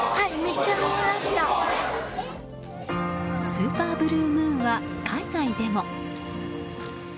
スーパーブルームーンは海外でも。